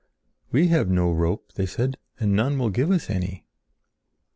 "We have no rope," they said, "and none will give us any."